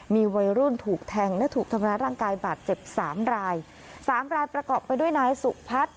มีวัยรุ่นถูกแทงและถูกทำร้ายร่างกายบาดเจ็บสามรายสามรายประกอบไปด้วยนายสุพัฒน์